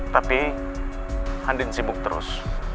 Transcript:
tapi andin sibuk terus